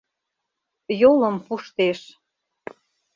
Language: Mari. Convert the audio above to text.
Йолым пуштеш!..